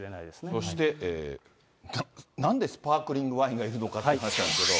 そして、なんでスパークリングワインがいいのかって話なんですけど。